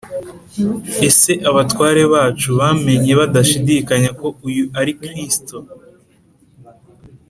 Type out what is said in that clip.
ese abatware bacu bamenye badashidikanya ko uyu ari kristo?